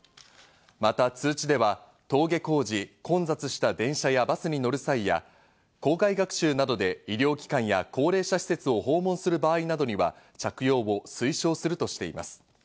また通知では登下校時、混雑した電車やバスに乗る際や、校外学習などで医療機関や高齢者施設を訪問する場合などには着用を推奨するとしています。